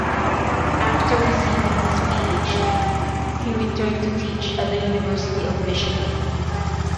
After receiving his PhD, he returned to teach at the University of Michigan.